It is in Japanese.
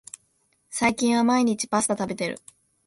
最近は毎日パスタ食べてる